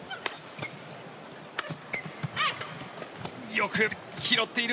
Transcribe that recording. よく拾っている。